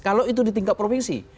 kalau itu di tingkat provinsi